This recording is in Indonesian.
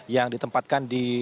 yang ditempatkan di